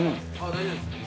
大丈夫ですか？